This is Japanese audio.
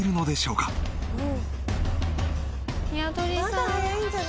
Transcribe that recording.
まだ早いんじゃない？